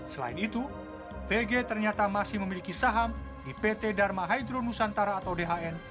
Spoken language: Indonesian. selain itu vg ternyata masih memiliki saham di pt dharma hydronusantara atau dhn